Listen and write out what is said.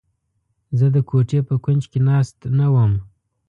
زه د کوټې په کونج کې ناست نه وم.